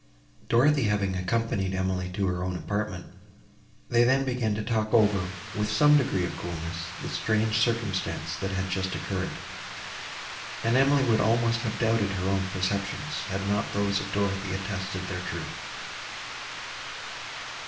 Dorothée having accompanied Emily to her own apartment, they then began to talk over, with some degree of coolness, the strange circumstance, that had just occurred; and Emily would almost have doubted her own perceptions, had not those of Dorothée attested their truth.